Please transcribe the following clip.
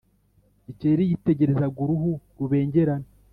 Gikeri yitegerezaga uruhu rubengerana